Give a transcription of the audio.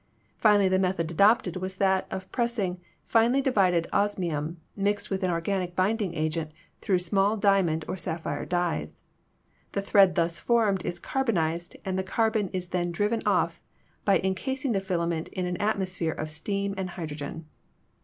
Finally the method adopted was that of pressing finely divided osmium, mixed with an organic binding agent, through small diamond or sapphire dies. The thread thus formed is carbonized,, and the carbon is then driven off by incasing the fila ment in an atmosphere of steam and hydrogen.